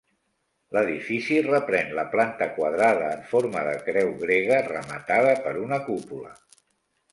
L'edifici reprèn la planta quadrada en forma de creu grega rematada per una cúpula.